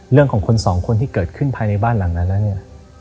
เรื่องของคนสองคนที่เกิดขึ้นภายในบ้านหลังนั้นแล้วเนี่ย